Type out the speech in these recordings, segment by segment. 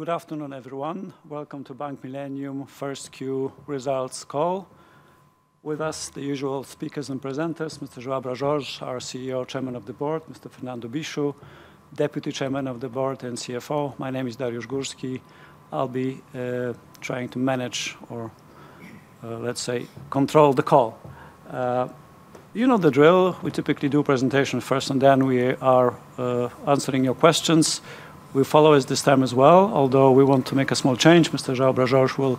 Good afternoon, everyone. Welcome to Bank Millennium 1Q results call. With us, the usual speakers and presenters, Mr. Joao Bras Jorge, our CEO, Chairman of the Board, Mr. Fernando Bicho, Deputy Chairman of the Board and CFO. My name is Dariusz Górski. I'll be trying to manage or, let's say control the call. You know the drill. We typically do presentation first, and then we are answering your questions. We'll follow as this time as well, although we want to make a small change. Mr. Joao Bras Jorge will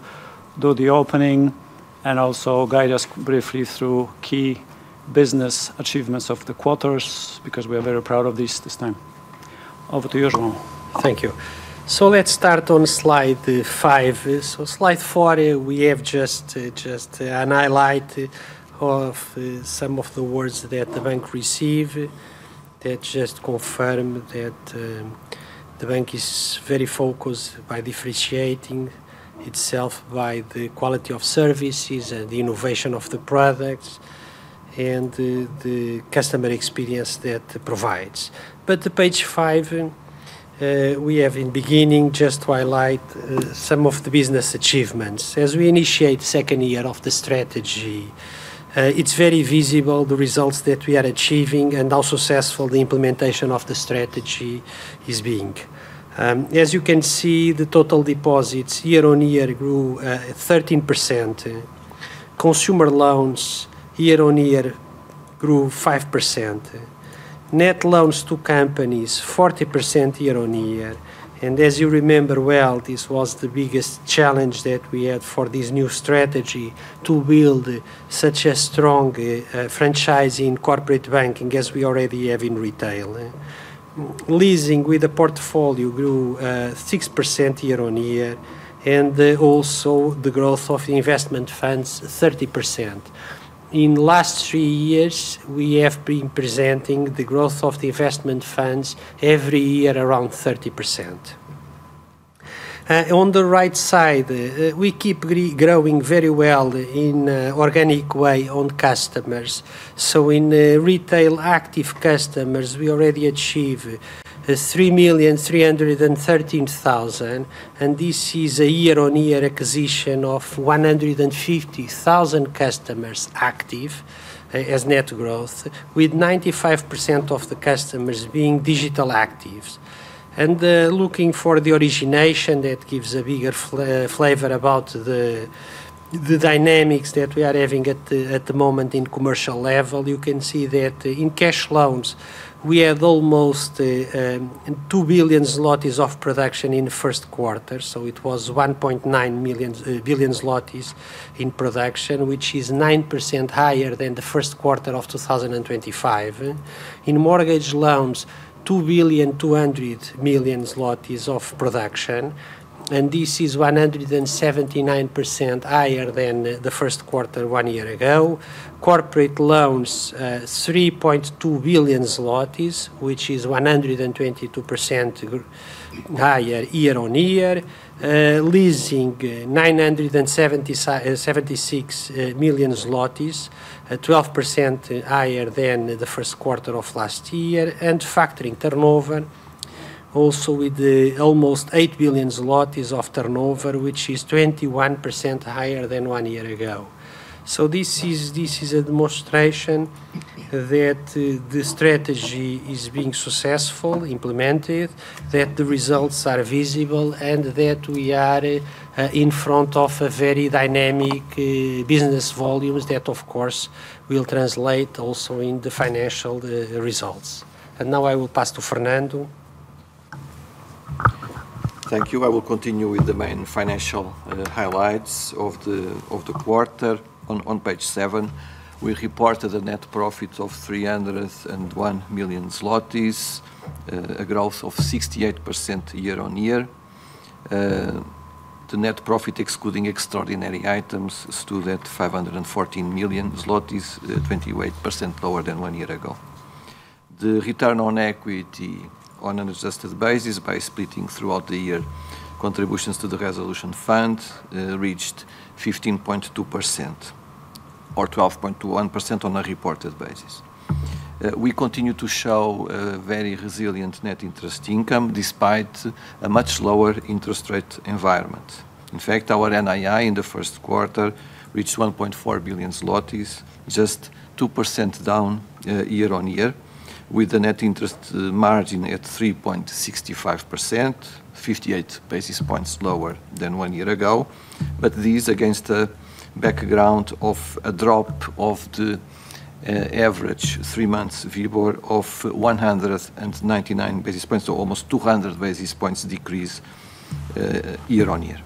do the opening and also guide us briefly through key business achievements of the quarters because we are very proud of this this time. Over to you, Joao. Thank you. Let's start on slide five. Slide four we have just a highlight of some of the awards that the Bank received that just confirm that the Bank is very focused by differentiating itself by the quality of services and the innovation of the products and the customer experience that it provides. The page five, we have at the beginning just to highlight some of the business achievements. As we initiate second year of the strategy, it's very visible the results that we are achieving and how successful the implementation of the strategy is being. As you can see, the total deposits year-on-year grew 13%. Consumer loans year-on-year grew 5%. Net loans to companies 40% year-on-year. As you remember well, this was the biggest challenge that we had for this new strategy to build such a strong franchising corporate banking as we already have in retail. Leasing with the portfolio grew 6% year-on-year and also the growth of investment funds 30%. In last three years we have been presenting the growth of the investment funds every year around 30%. On the right side, we keep growing very well in organic way on customers. In retail active customers we already achieve 3,313,000, and this is a year-on-year acquisition of 150,000 customers active as net growth with 95% of the customers being digital actives. Looking for the origination that gives a bigger flavor about the dynamics that we are having at the moment in commercial level, you can see that in cash loans we have almost 2 billion zlotys of production in the first quarter. It was 1.9 billion zlotys in production, which is 9% higher than the first quarter of 2025. In mortgage loans, 2.2 billion of production, this is 179% higher than the first quarter one year ago. Corporate loans, 3.2 billion zlotys, which is 122% higher year-on-year. Leasing, PLN 976 million, 12% higher than the first quarter of last year. Factoring turnover also with almost 8 billion zlotys of turnover, which is 21% higher than one year ago. This is a demonstration that the strategy is being successful, implemented, that the results are visible, and that we are in front of a very dynamic business volumes. That of course will translate also in the financial results. Now I will pass to Fernando. Thank you. I will continue with the main financial highlights of the quarter. On page seven, we reported a net profit of 301 million zlotys, a growth of 68% year-over-year. The net profit excluding extraordinary items stood at 514 million zlotys, 28% lower than one year ago. The return on equity on an adjusted basis by splitting throughout the year contributions to the resolution fund reached 15.2% or 12.1% on a reported basis. We continue to show very resilient net interest income despite a much lower interest rate environment. In fact, our NII in the first quarter reached 1.4 billion zlotys, just 2% down year-on-year with the net interest margin at 3.65%, 58 basis points lower than one year ago. This against a background of a drop of the average three months WIBOR of 199 basis points to almost 200 basis points decrease year-on-year.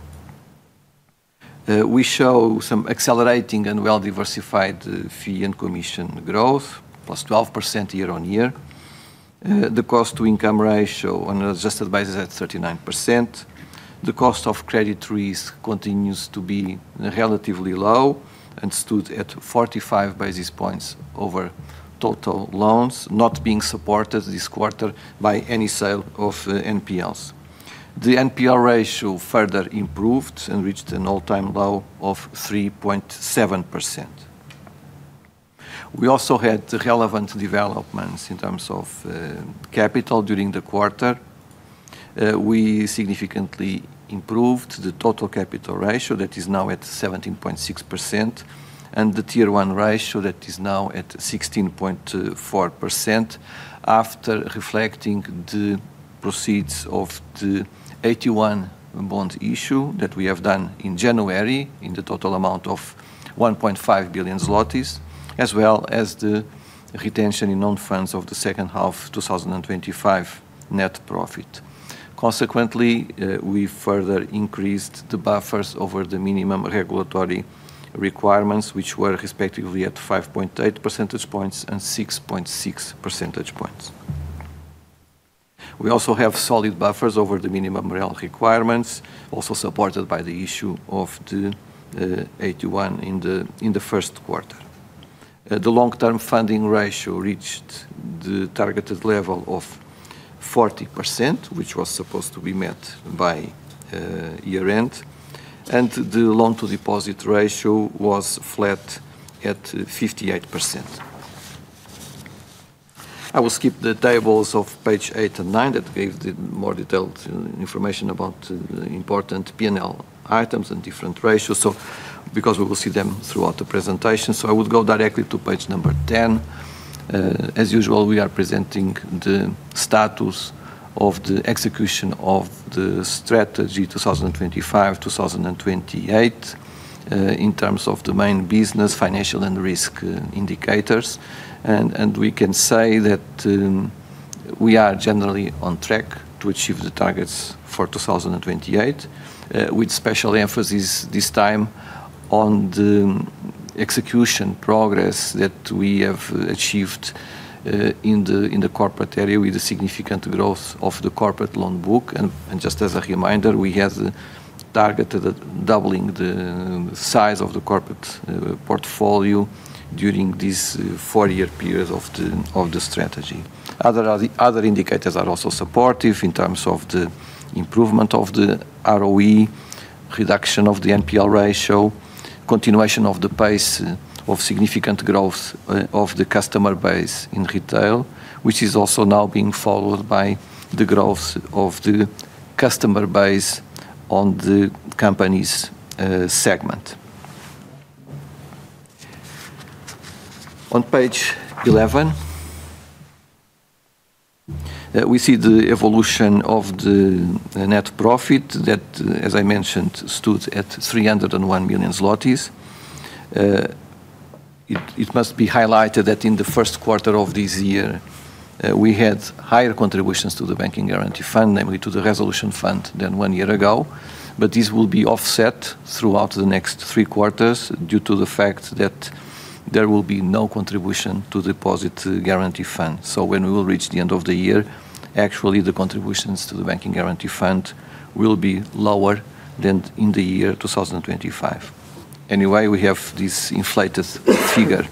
We show some accelerating and well-diversified fee and commission growth, +12% year-on-year. The cost-to-income ratio on an adjusted basis at 39%. The cost of credit risk continues to be relatively low and stood at 45 basis points over total loans not being supported this quarter by any sale of NPLs. The NPL ratio further improved and reached an all-time low of 3.7%. We also had relevant developments in terms of capital during the quarter. We significantly improved the total capital ratio that is now at 17.6%, and the Tier 1 ratio that is now at 16.4% after reflecting the proceeds of the AT1 bond issue that we have done in January in the total amount of 1.5 billion zlotys, as well as the retention in own funds of the second half 2025 net profit. Consequently, we further increased the buffers over the minimum regulatory requirements, which were respectively at 5.8 percentage points and 6.6 percentage points. We also have solid buffers over the minimum MREL requirements, also supported by the issue of the AT1 in the first quarter. The long-term funding ratio reached the targeted level of 40%, which was supposed to be met by year-end, and the loan-to-deposit ratio was flat at 58%. I will skip the tables of page eight and nine that gave the more detailed information about the important P&L items and different ratios, so because we will see them throughout the presentation, so I would go directly to page number 10. As usual, we are presenting the status of the execution of the strategy 2025, 2028 in terms of the main business, financial and risk indicators. We can say that we are generally on track to achieve the targets for 2028, with special emphasis this time on the execution progress that we have achieved in the corporate area with the significant growth of the corporate loan book. Just as a reminder, we have targeted doubling the size of the corporate portfolio during this four-year period of the strategy. Other indicators are also supportive in terms of the improvement of the ROE, reduction of the NPL ratio, continuation of the pace of significant growth of the customer base in retail, which is also now being followed by the growth of the customer base on the companies segment. On page 11, we see the evolution of the net profit that, as I mentioned, stood at 301 million zlotys. It must be highlighted that in the first quarter of this year, we had higher contributions to the Banking Guarantee Fund, namely to the resolution fund, than one year ago. This will be offset throughout the next three quarters due to the fact that there will be no contribution to Deposit Guarantee Fund. When we will reach the end of the year, actually the contributions to the Banking Guarantee Fund will be lower than in the year 2025. Anyway, we have this inflated figure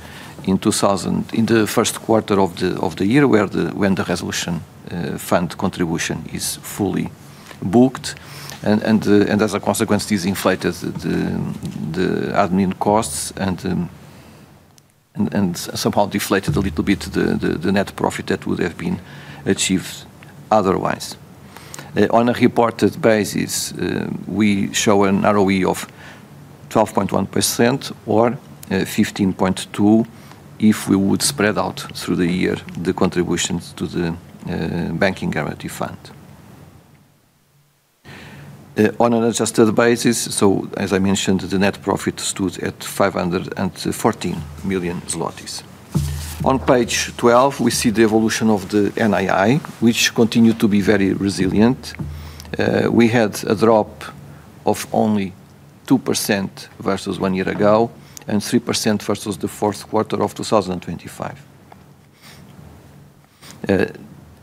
in the first quarter of the year when the resolution fund contribution is fully booked. As a consequence, this inflates the admin costs and somehow deflated a little bit the net profit that would have been achieved otherwise. On a reported basis, we show an ROE of 12.1% or 15.2% if we would spread out through the year the contributions to the Banking Guarantee Fund. On an adjusted basis, so as I mentioned, the net profit stood at 514 million zlotys. On page 12, we see the evolution of the NII, which continued to be very resilient. We had a drop of only 2% versus one year ago and 3% versus the fourth quarter of 2025.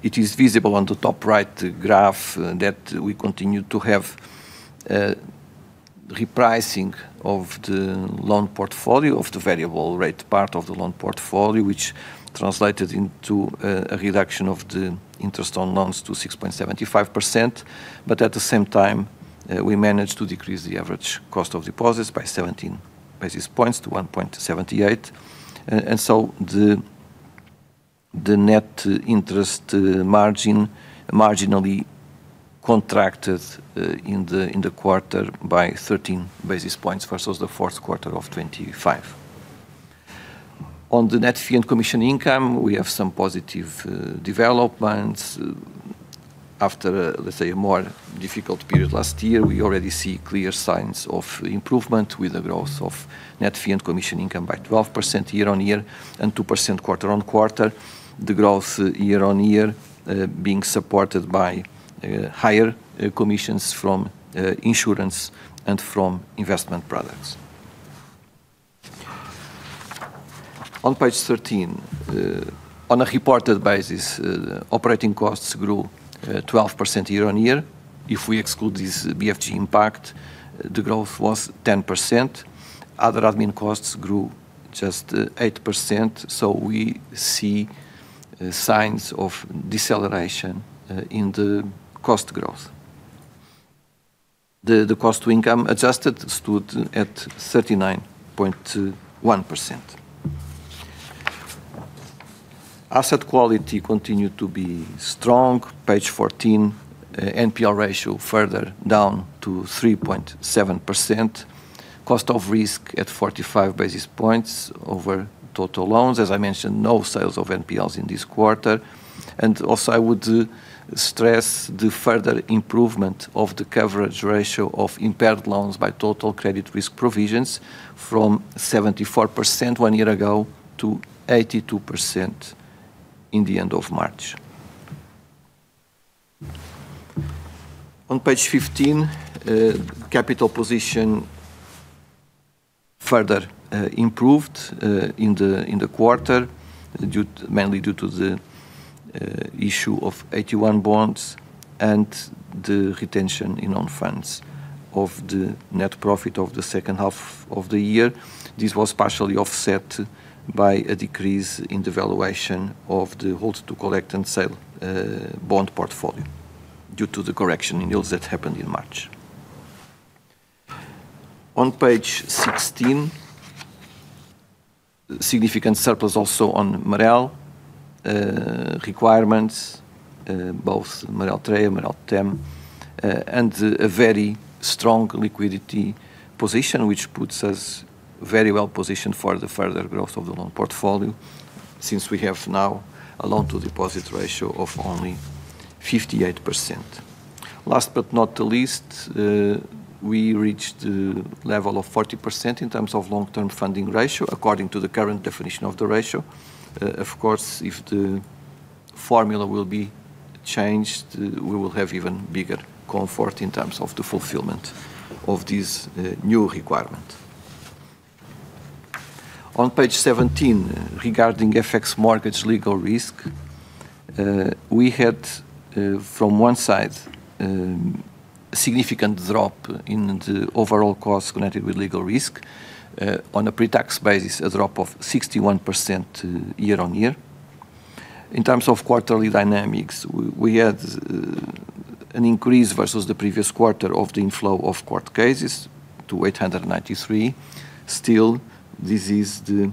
It is visible on the top right graph that we continue to have repricing of the loan portfolio of the variable rate part of the loan portfolio, which translated into a reduction of the interest on loans to 6.75%. At the same time, we managed to decrease the average cost of deposits by 17 basis points to 1.78%. The net interest margin marginally contracted in the quarter by 13 basis points versus the fourth quarter of 25. On the net fee and commission income, we have some positive developments. After, let's say, a more difficult period last year, we already see clear signs of improvement with the growth of net fee and commission income by 12% year-on-year and 2% quarter-on-quarter. The growth year on year, being supported by higher commissions from insurance and from investment products. On page 13, on a reported basis, operating costs grew 12% year on year. If we exclude this BFG impact, the growth was 10%. Other admin costs grew just 8%, so we see signs of deceleration in the cost growth. The cost-to-income ratio adjusted stood at 39.1%. Asset quality continued to be strong. Page 14, NPL ratio further down to 3.7%. Cost of risk at 45 basis points over total loans. As I mentioned, no sales of NPLs in this quarter. I would stress the further improvement of the coverage ratio of impaired loans by total credit risk provisions from 74% one year ago to 82% in the end of March. On page 15, capital position further improved in the quarter due to mainly due to the issue of AT1 bonds and the retention in own funds of the net profit of the second half of the year. This was partially offset by a decrease in the valuation of the Hold to Collect and Sell bond portfolio due to the correction in yields that happened in March. On page 16, significant surplus also on MREL requirements, both MREL TREA, MREL TEM, and a very strong liquidity position which puts us very well-positioned for the further growth of the loan portfolio since we have now a loan-to-deposit ratio of only 58%. Last but not least, we reached the level of 40% in terms of long-term funding ratio according to the current definition of the ratio. Of course, if the formula will be changed, we will have even bigger comfort in terms of the fulfillment of this new requirement. On page 17, regarding FX mortgage legal risk, we had from one side a significant drop in the overall costs connected with legal risk. On a pre-tax basis, a drop of 61% year-over-year. In terms of quarterly dynamics, we had an increase versus the previous quarter of the inflow of court cases to 893. Still, this is the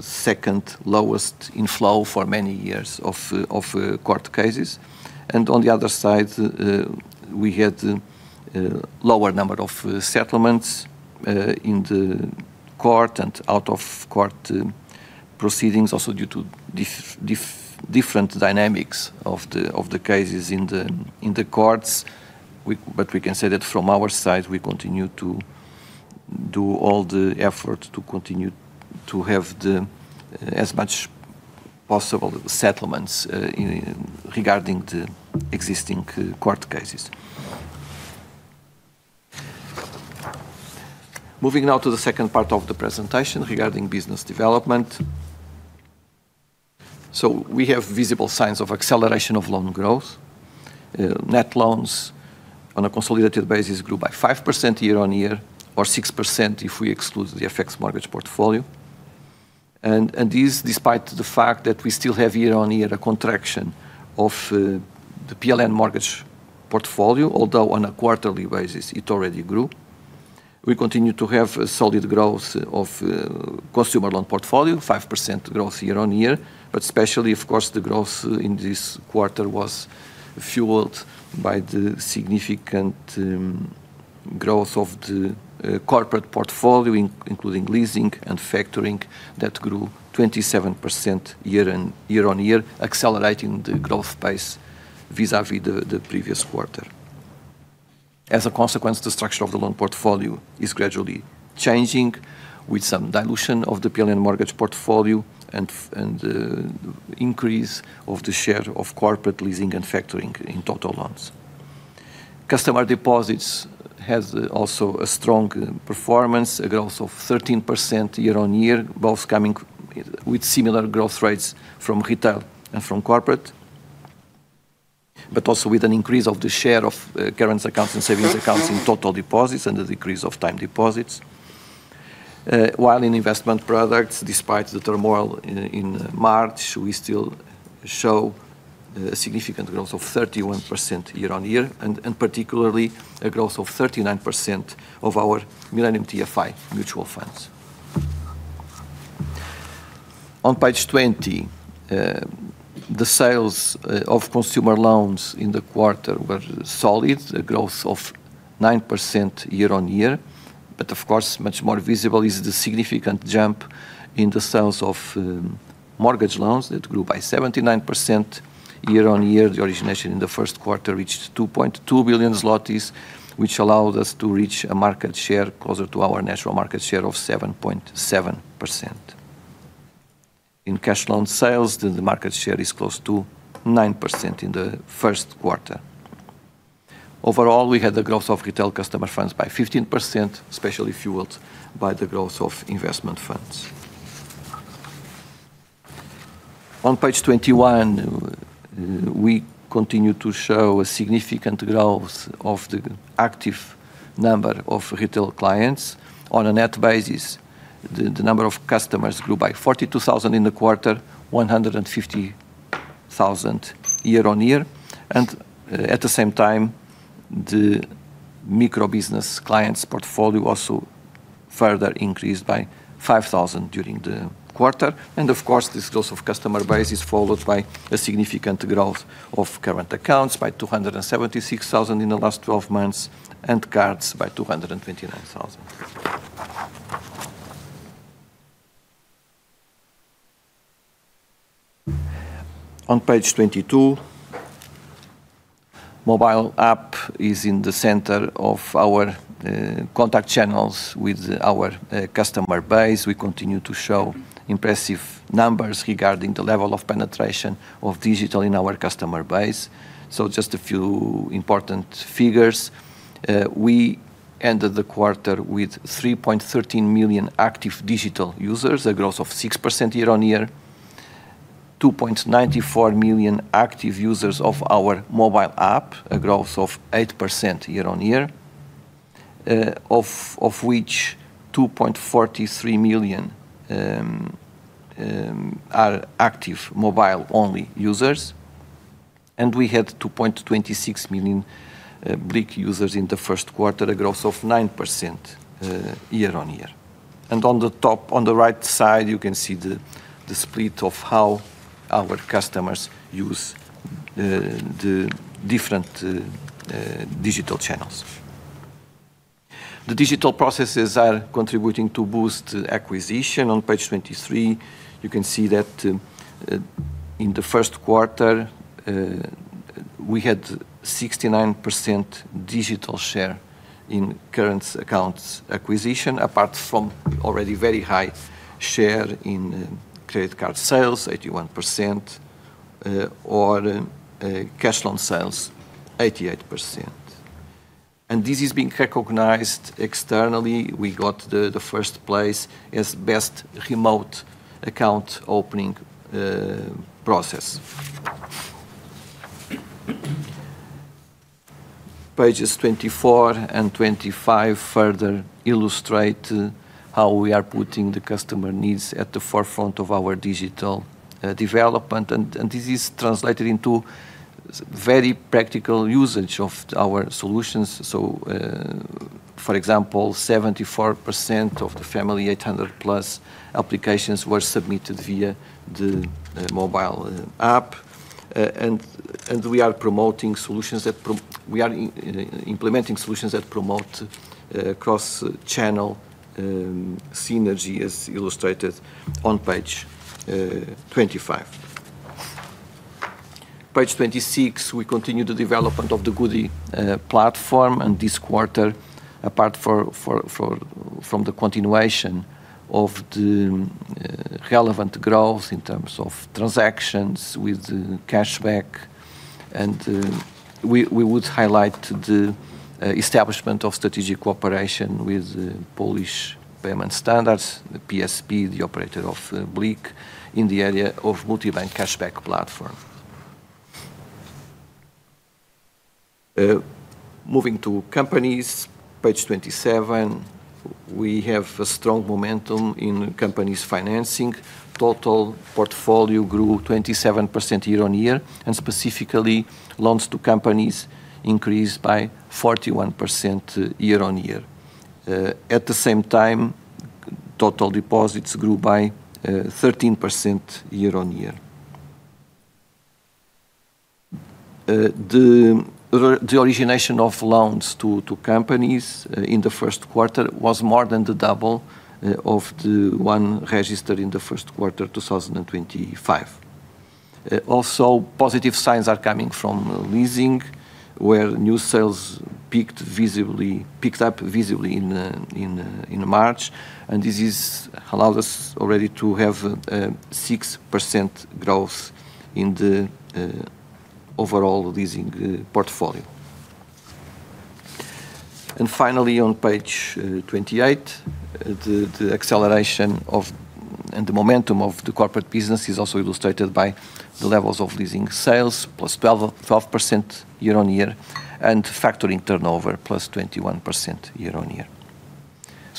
second lowest inflow for many years of court cases. On the other side, we had a lower number of settlements in the court and out of court proceedings also due to different dynamics of the cases in the courts. We can say that from our side, we continue to do all the effort to continue to have the as much possible settlements in regarding the existing court cases. Moving now to the second part of the presentation regarding business development. We have visible signs of acceleration of loan growth. Net loans on a consolidated basis grew by 5% year-on-year, or 6% if we exclude the FX mortgage portfolio. This despite the fact that we still have year-on-year a contraction of the PLN mortgage portfolio, although on a quarterly basis it already grew. We continue to have a solid growth of consumer loan portfolio, 5% growth year-on-year, especially of course the growth in this quarter was fueled by the significant growth of the corporate portfolio including leasing and factoring that grew 27% year-on-year, accelerating the growth pace vis-a-vis the previous quarter. As a consequence, the structure of the loan portfolio is gradually changing with some dilution of the PLN mortgage portfolio and increase of the share of corporate leasing and factoring in total loans. Customer deposits has also a strong performance, a growth of 13% year-on-year, both coming with similar growth rates from retail and from corporate, but also with an increase of the share of current accounts and savings accounts in total deposits and a decrease of time deposits. While in investment products, despite the turmoil in March, we still show a significant growth of 31% year on year, and particularly a growth of 39% of our Millennium TFI mutual funds. On page 20, the sales of consumer loans in the quarter were solid, a growth of 9% year on year. Of course, much more visible is the significant jump in the sales of mortgage loans that grew by 79% year on year. The origination in the first quarter reached 2.2 billion zlotys, which allowed us to reach a market share closer to our natural market share of 7.7%. In cash loan sales, the market share is close to 9% in the first quarter. Overall, we had the growth of retail customer funds by 15%, especially fueled by the growth of investment funds. On page 21, we continue to show a significant growth of the active number of retail clients. On a net basis, the number of customers grew by 42,000 in the quarter, 150,000 year-on-year. At the same time, the micro-business clients portfolio also further increased by 5,000 during the quarter. Of course, this growth of customer base is followed by a significant growth of current accounts by 276,000 in the last 12 months, and cards by 229,000. On page 22, mobile app is in the center of our contact channels with our customer base. We continue to show impressive numbers regarding the level of penetration of digital in our customer base. Just a few important figures. We ended the quarter with 3.13 million active digital users, a growth of 6% year-on-year. 2.94 million active users of our mobile app, a growth of 8% year-on-year. Of which 2.43 million are active mobile-only users. We had 2.26 million BLIK users in the first quarter, a growth of 9% year-on-year. On the top, on the right side, you can see the split of how our customers use the different digital channels. The digital processes are contributing to boost acquisition. On page 23, you can see that in the first quarter, we had 69% digital share in currents accounts acquisition, apart from already very high share in credit card sales, 81%, or cash loan sales, 88%. This is being recognized externally. We got the first place as best remote account opening process. Pages 24 and 25 further illustrate how we are putting the customer needs at the forefront of our digital development. This is translated into very practical usage of our solutions. For example, 74% of the family 800+ applications were submitted via the mobile app. We are implementing solutions that promote cross-channel synergy, as illustrated on page 25. Page 26, we continue the development of the goodie platform. This quarter, apart from the continuation of the relevant growth in terms of transactions with the cashback, and we would highlight the establishment of strategic cooperation with the Polish Payment Standards, the PSP, the operator of BLIK, in the area of multi-bank cashback platform. Moving to companies, page 27, we have a strong momentum in companies financing. Total portfolio grew 27% year on year, and specifically, loans to companies increased by 41% year on year. At the same time, total deposits grew by 13% year on year. The origination of loans to companies in the first quarter was more than the double of the one registered in the first quarter 2025. Also positive signs are coming from leasing, where new sales peaked visibly, picked up visibly in March. This is allowed us already to have 6% growth in the overall leasing portfolio. Finally, on page 28, the acceleration of and the momentum of the corporate business is also illustrated by the levels of leasing sales, plus 12% year-on-year, and factoring turnover, plus 21% year-on-year.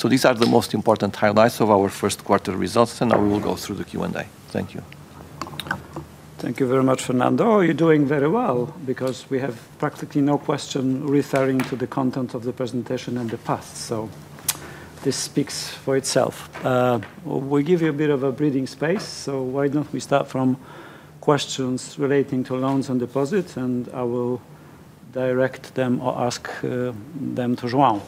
These are the most important highlights of our first quarter results, and now we will go through the Q&A. Thank you. Thank you very much, Fernando. You're doing very well because we have practically no question referring to the content of the presentation and the past, so this speaks for itself. We'll give you a bit of a breathing space, so why don't we start from questions relating to loans and deposits, and I will direct them or ask them to Joao.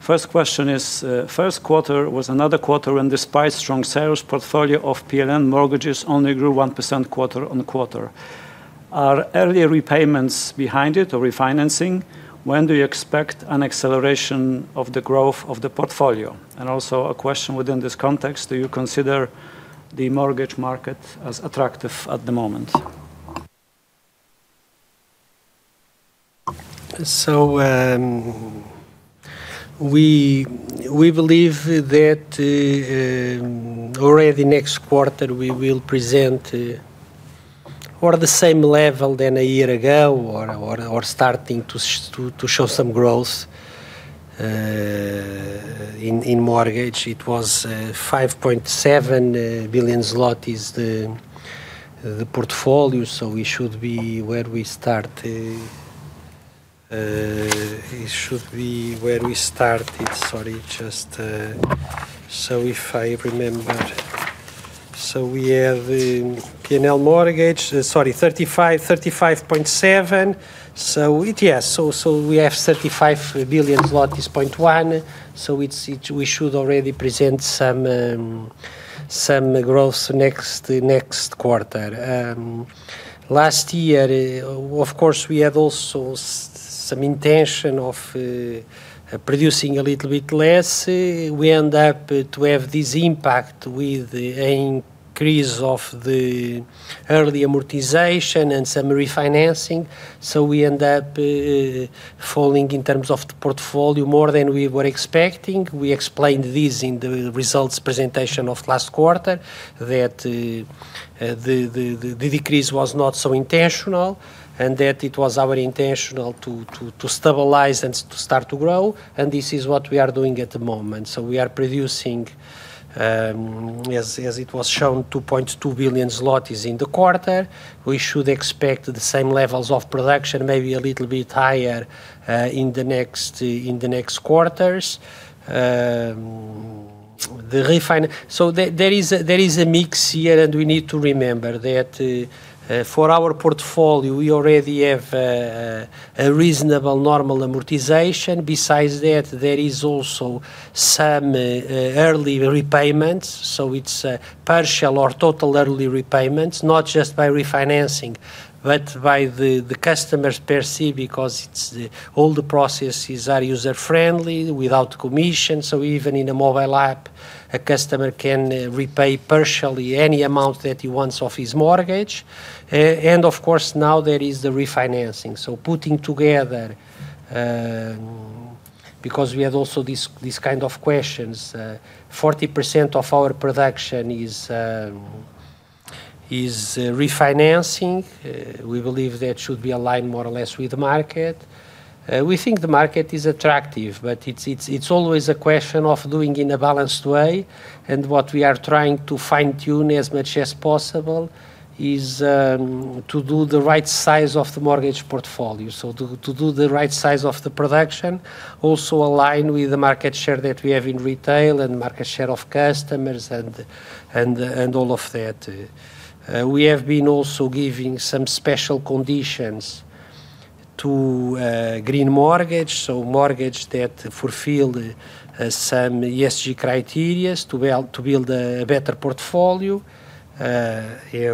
First question is, first quarter was another quarter when despite strong sales, portfolio of PLN mortgages only grew 1% quarter-on-quarter. Are earlier repayments behind it or refinancing? When do you expect an acceleration of the growth of the portfolio? Also a question within this context, do you consider the mortgage market as attractive at the moment? We believe that, already next quarter we will present, or the same level than a year ago or starting to show some growth. In mortgage it was 5.7 billion zloty the portfolio, we should be where we start, it should be where we started. Sorry, just, so if I remember. We have in PLN mortgage, sorry, 35.7. Yes, we have 35.1 billion, we should already present some growth next quarter. Last year, of course, we have also some intention of producing a little bit less. We end up to have this impact with the increase of the early amortization and some refinancing, we end up falling in terms of the portfolio more than we were expecting. We explained this in the results presentation of last quarter, that the decrease was not so intentional, and that it was our intention to stabilize and to start to grow, and this is what we are doing at the moment. We are producing, as it was shown, 2.2 billion zlotys in the quarter. We should expect the same levels of production, maybe a little bit higher, in the next quarters. There is a mix here, and we need to remember that for our portfolio, we already have a reasonable normal amortization. Besides that, there is also some early repayments, so it's partial or total early repayments, not just by refinancing but by the customers per se because all the processes are user-friendly, without commission. Even in a mobile app, a customer can repay partially any amount that he wants of his mortgage. Of course, now there is the refinancing. Putting together, because we have also these kind of questions, 40% of our production is refinancing. We believe that should be aligned more or less with the market. We think the market is attractive, but it's always a question of doing in a balanced way, and what we are trying to fine-tune as much as possible is to do the right size of the mortgage portfolio. To do the right size of the production, also align with the market share that we have in retail and market share of customers and all of that. We have been also giving some special conditions to green mortgage, so mortgage that fulfill some ESG criteria to build a better portfolio. I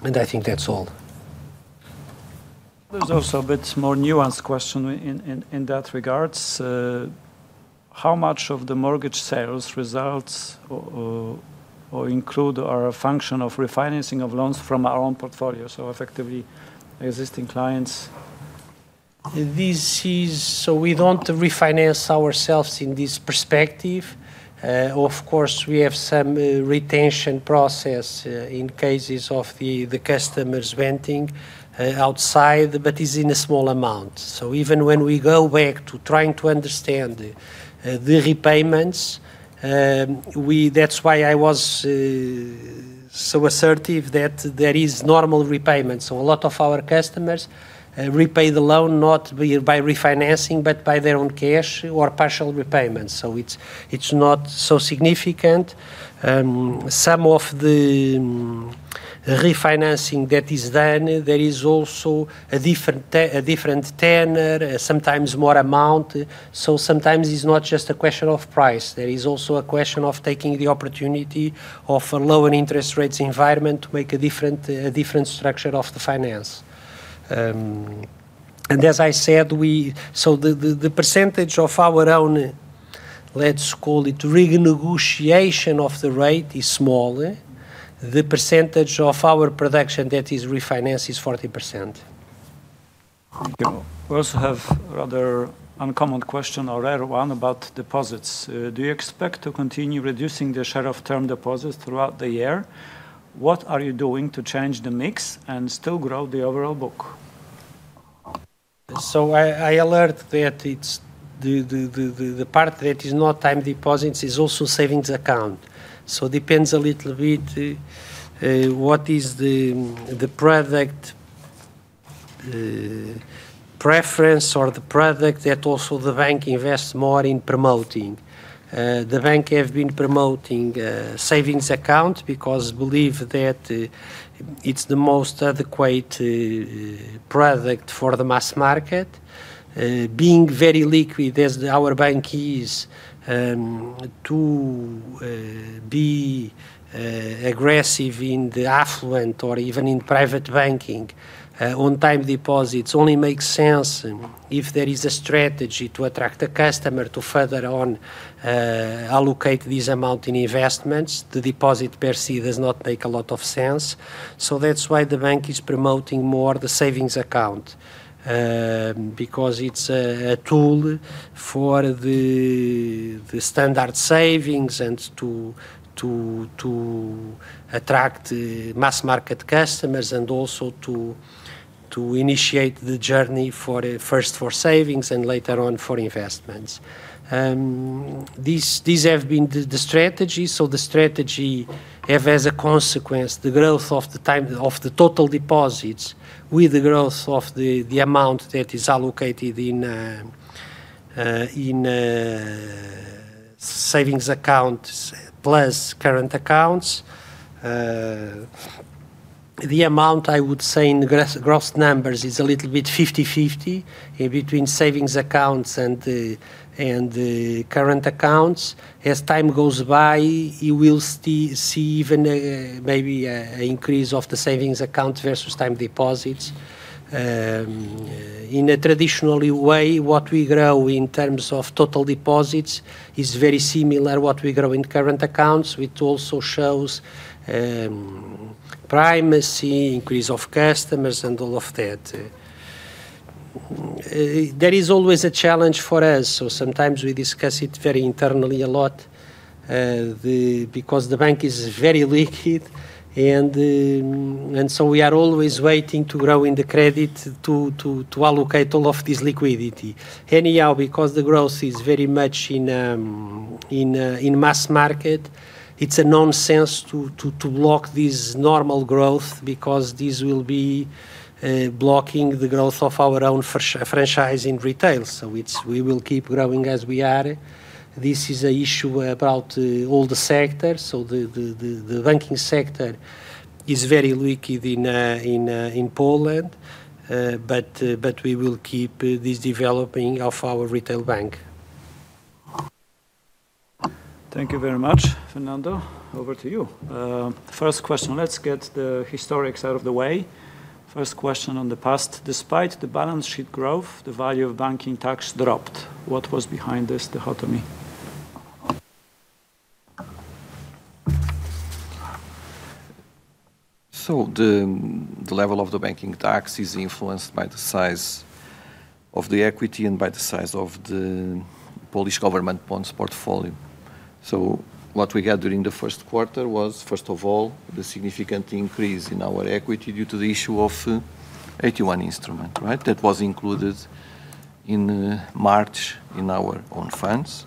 think that's all. There's also a bit more nuanced question in that regards. How much of the mortgage sales results or include or are a function of refinancing of loans from our own portfolio, so effectively existing clients? This is so we don't refinance ourselves in this perspective. Of course, we have some retention process in cases of the customers venting outside, but is in a small amount. Even when we go back to trying to understand the repayments, That's why I was so assertive that there is normal repayment. A lot of our customers repay the loan not by refinancing but by their own cash or partial repayments, so it's not so significant. Some of the refinancing that is done, there is also a different tenor, sometimes more amount. Sometimes it's not just a question of price. There is also a question of taking the opportunity of a lower interest rates environment to make a different, a different structure of the finance. As I said, the percentage of our own, let's call it renegotiation of the rate is small. The percentage of our production that is refinanced is 40%. Thank you. We also have rather uncommon question or rare one about deposits. Do you expect to continue reducing the share of term deposits throughout the year? What are you doing to change the mix and still grow the overall book? I alert that it's the part that is not time deposits is also savings account. Depends a little bit what is the product preference or the product that also the bank invests more in promoting. The bank have been promoting savings account because believe that it's the most adequate product for the mass market. Being very liquid as our bank is, to be aggressive in the affluent or even in private banking, on time deposits only makes sense if there is a strategy to attract the customer to further on allocate this amount in investments. The deposit per se does not make a lot of sense. That's why the bank is promoting more the savings account, because it's a tool for the standard savings and to attract mass market customers and also to initiate the journey for first for savings and later on for investments. These have been the strategy. The strategy have as a consequence the growth of the total deposits with the growth of the amount that is allocated in savings accounts plus current accounts. The amount I would say in gross numbers is a little bit 50/50 between savings accounts and the current accounts. As time goes by, you will see even a, maybe an increase of the savings account versus time deposits. In a traditional way, what we grow in terms of total deposits is very similar what we grow in current accounts, which also shows primary increase of customers and all of that. There is always a challenge for us, so sometimes we discuss it very internally a lot because the Bank is very liquid and we are always waiting to grow in the credit to allocate all of this liquidity. Anyhow, because the growth is very much in mass market, it's a nonsense to block this normal growth because this will be blocking the growth of our own franchising retail. We will keep growing as we are. This is an issue about all the sectors. The banking sector is very liquid in Poland, but we will keep this developing of our retail bank. Thank you very much. Fernando, over to you. First question, let's get the historics out of the way. First question on the past. Despite the balance sheet growth, the value of banking tax dropped. What was behind this dichotomy? The level of the banking tax is influenced by the size of the equity and by the size of the Polish government bonds portfolio. What we got during the first quarter was, first of all, the significant increase in our equity due to the issue of AT1 instrument, right? That was included in March in our own funds.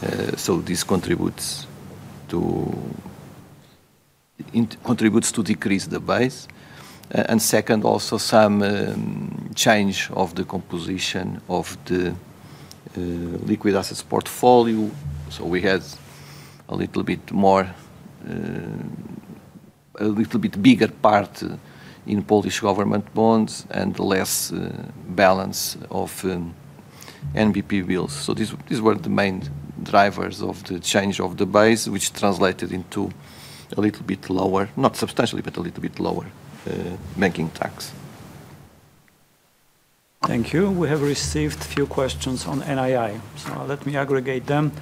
This contributes to decrease the base. Second, also some change of the composition of the liquid assets portfolio. We had a little bit more, a little bit bigger part in Polish government bonds and less balance of NBP bills. These were the main drivers of the change of the base, which translated into a little bit lower, not substantially, but a little bit lower banking tax. Thank you. We have received few questions on NII. Let me aggregate them.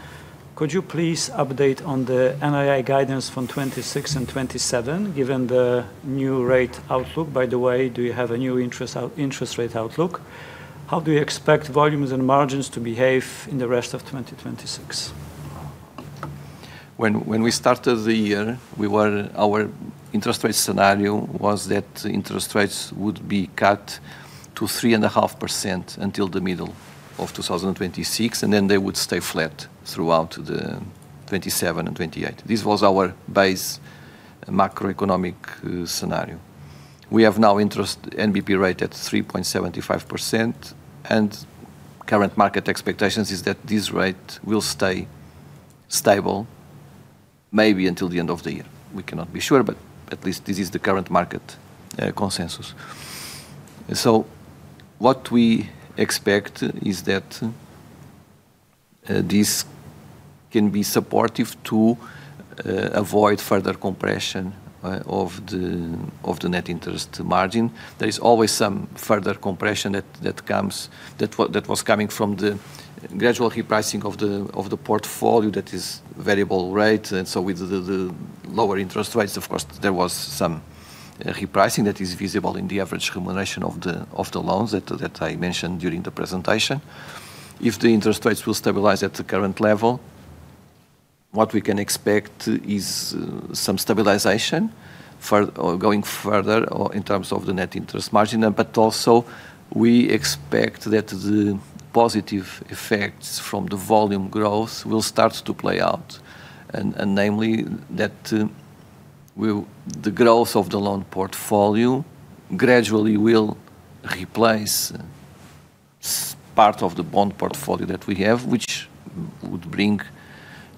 Could you please update on the NII guidance from 2026 and 2027, given the new rate outlook? By the way, do you have a new interest rate outlook? How do you expect volumes and margins to behave in the rest of 2026? When we started the year, our interest rate scenario was that interest rates would be cut to 3.5% until the middle of 2026, then they would stay flat throughout 2027 and 2028. This was our base macroeconomic scenario. We have now interest NBP rate at 3.75%, current market expectations is that this rate will stay stable maybe until the end of the year. We cannot be sure, at least this is the current market consensus. What we expect is that this can be supportive to avoid further compression of the net interest margin. There is always some further compression that comes that was coming from the gradual repricing of the portfolio that is variable rate. With the lower interest rates, of course, there was some repricing that is visible in the average remuneration of the loans that I mentioned during the presentation. If the interest rates will stabilize at the current level, what we can expect is some stabilization going further in terms of the net interest margin. Also, we expect that the positive effects from the volume growth will start to play out, and namely that the growth of the loan portfolio gradually will replace part of the bond portfolio that we have, which would bring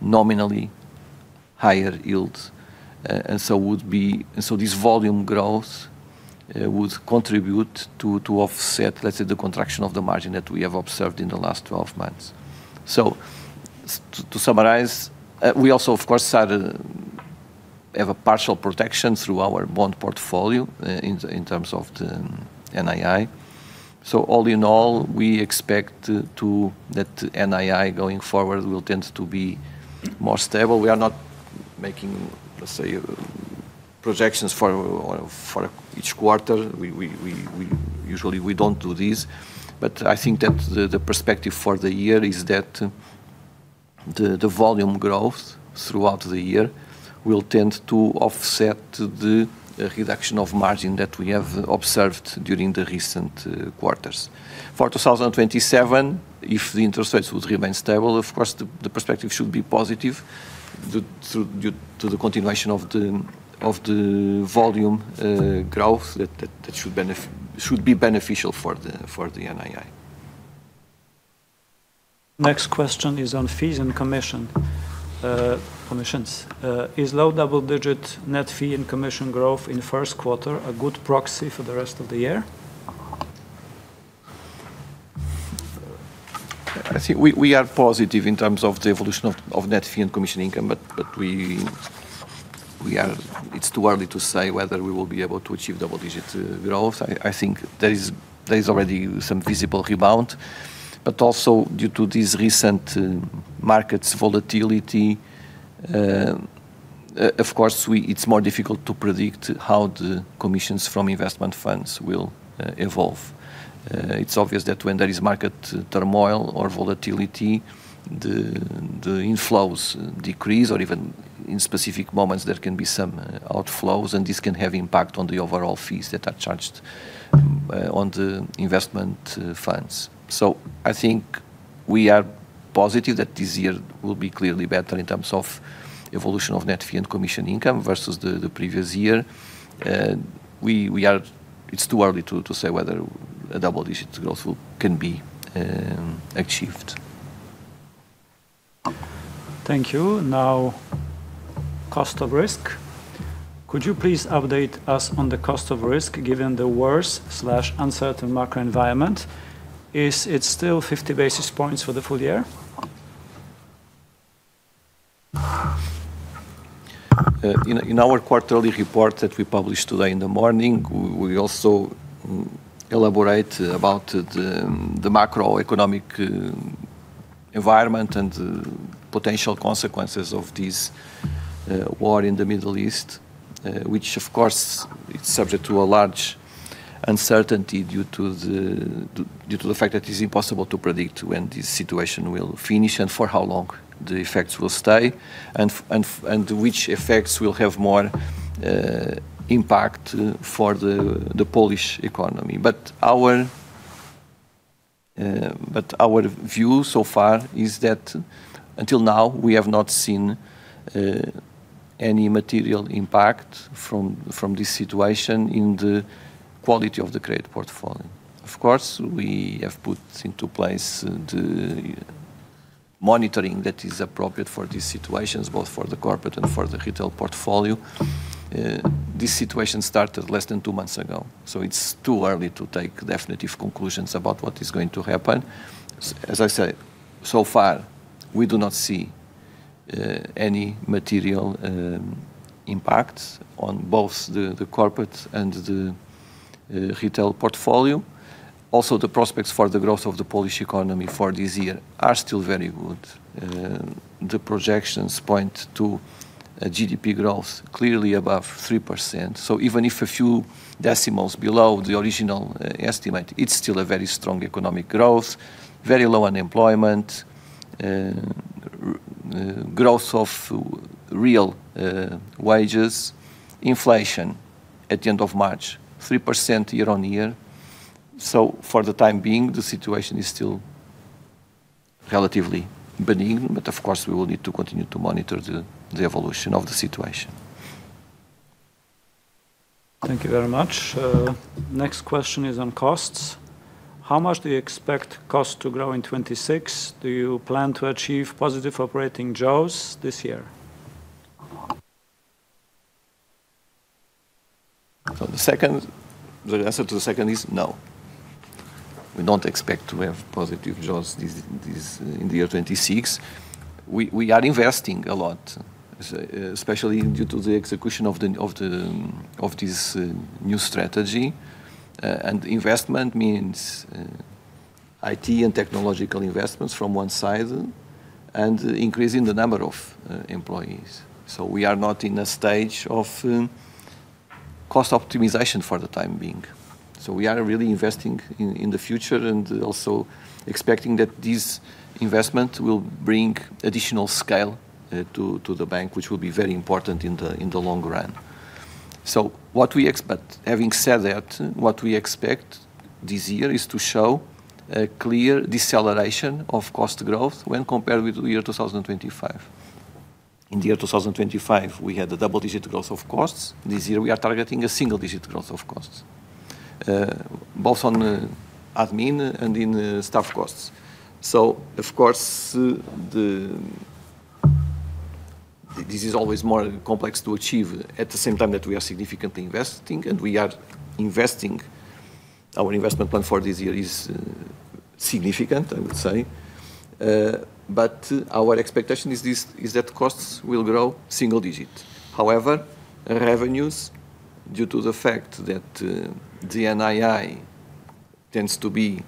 nominally higher yields. This volume growth would contribute to offset, let's say, the contraction of the margin that we have observed in the last 12 months. To summarize, we also, of course, have a partial protection through our bond portfolio in terms of the NII. All in all, we expect that NII going forward will tend to be more stable. We are not making, let's say, projections for each quarter. We usually don't do this. I think that the perspective for the year is that the volume growth throughout the year will tend to offset the reduction of margin that we have observed during the recent quarters. For 2027, if the interest rates would remain stable, of course, the perspective should be positive due to the continuation of the volume growth that should be beneficial for the NII. Next question is on fees and commissions. Is low double-digit net fee and commission growth in first quarter a good proxy for the rest of the year? I think we are positive in terms of the evolution of net fee and commission income. It's too early to say whether we will be able to achieve double digits growth. I think there is already some visible rebound. Also due to this recent markets volatility, of course it's more difficult to predict how the commissions from investment funds will evolve. It's obvious that when there is market turmoil or volatility, the inflows decrease or even in specific moments there can be some outflows, and this can have impact on the overall fees that are charged on the investment funds. I think we are positive that this year will be clearly better in terms of evolution of net fee and commission income versus the previous year. It's too early to say whether a double-digit growth can be achieved. Thank you. Now, cost of risk. Could you please update us on the cost of risk given the worse/uncertain macro environment? Is it still 50 basis points for the full year? In our quarterly report that we published today in the morning, we also elaborate about the macroeconomic environment and the potential consequences of this war in the Middle East, which of course is subject to a large uncertainty due to the fact that it's impossible to predict when this situation will finish and for how long the effects will stay and which effects will have more impact for the Polish economy. Our view so far is that until now we have not seen any material impact from this situation in the quality of the credit portfolio. Of course, we have put into place the monitoring that is appropriate for these situations, both for the corporate and for the retail portfolio. This situation started less than two months ago, so it's too early to take definitive conclusions about what is going to happen. As I said, so far we do not see any material impacts on both the corporate and the retail portfolio. Also, the prospects for the growth of the Polish economy for this year are still very good. The projections point to a GDP growth clearly above 3%. Even if a few decimals below the original estimate, it's still a very strong economic growth, very low unemployment, growth of real wages, inflation at the end of March 3% year-on-year. For the time being, the situation is still relatively benign, but of course we will need to continue to monitor the evolution of the situation. Thank you very much. Next question is on costs. How much do you expect cost to grow in 2026? Do you plan to achieve positive operating jaws this year? For the second, the answer to the second is no. We don't expect to have positive jaws in the year 2026. We are investing a lot, especially due to the execution of this new strategy. Investment means IT and technological investments from one side and increasing the number of employees. We are not in a stage of cost optimization for the time being. We are really investing in the future and also expecting that this investment will bring additional scale to the bank, which will be very important in the long run. What we expect. Having said that, what we expect this year is to show a clear deceleration of cost growth when compared with the year 2025. In the year 2025, we had a double-digit growth of costs. This year we are targeting a single-digit growth of costs, both on admin and in staff costs. Of course, this is always more complex to achieve at the same time that we are significantly investing. Our investment plan for this year is significant, I would say. Our expectation is that costs will grow single-digit. Revenues due to the fact that the NII tends to be,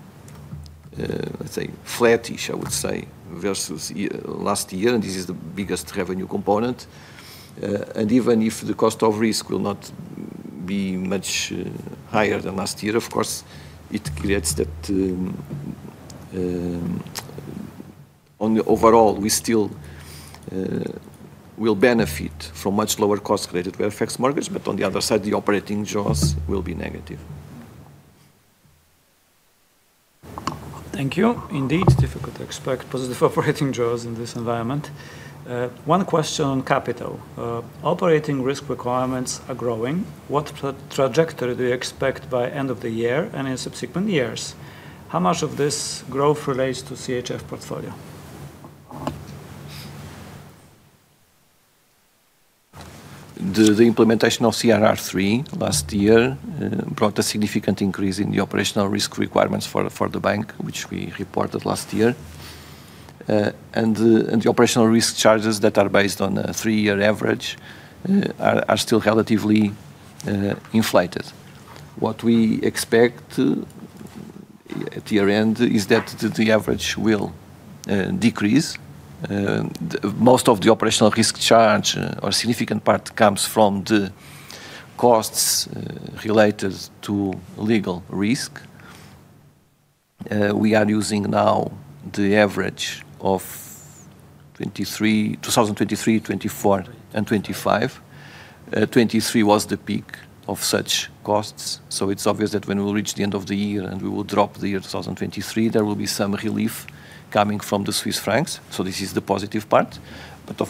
let's say, flattish, I would say, versus last year, and this is the biggest revenue component. Even if the cost of risk will not be much higher than last year. Of course, it creates that, on the overall we still, will benefit from much lower cost related to FX markets, but on the other side, the operating jaws will be negative. Thank you. Indeed, difficult to expect positive operating jaws in this environment. One question on capital. Operating risk requirements are growing. What trajectory do you expect by end of the year and in subsequent years? How much of this growth relates to CHF portfolio? The implementation of CRR3 last year brought a significant increase in the operational risk requirements for the bank which we reported last year. The operational risk charges that are based on a three-year average are still relatively inflated. What we expect at year-end is that the average will decrease. Most of the operational risk charge or significant part comes from the costs related to legal risk. We are using now the average of 2023, 2024 and 2025. 2023 was the peak of such costs, it's obvious that when we'll reach the end of the year and we will drop the year 2023, there will be some relief coming from the Swiss francs. This is the positive part.